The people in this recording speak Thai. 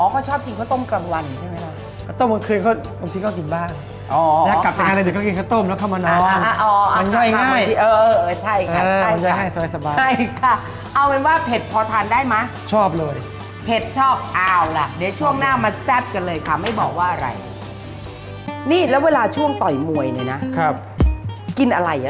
เขาชอบกินข้าวต้มกลางวันใช่ไหม